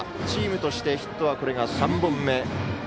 チームとしてヒットは、これが３本目。